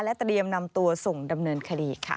เตรียมนำตัวส่งดำเนินคดีค่ะ